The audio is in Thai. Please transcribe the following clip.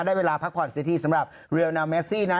ได้เวลาพักผ่อนเสียทีสำหรับเรียลนาเมซี่นะ